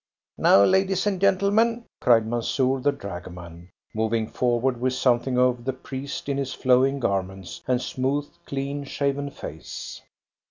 "Now, ladies and gentlemen!" cried Mansoor, the dragoman, moving forward with something of the priest in his flowing garments and smooth, clean shaven face.